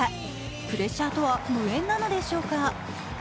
プレッシャーとは無縁なのでしょうか。